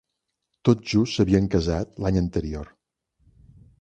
Tot just s'havien casat l'any anterior.